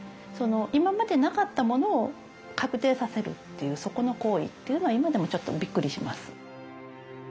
今までなかったものを確定させるっていうそこの行為っていうのは今でもちょっとびっくりします。